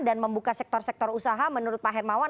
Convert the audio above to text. dan membuka sektor sektor usaha menurut pak hermawan